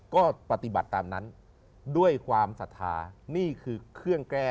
ของคุณความสาธารณ์